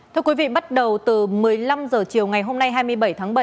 thưa quý vị bắt đầu từ một mươi năm h chiều ngày hôm nay hai mươi bảy tháng bảy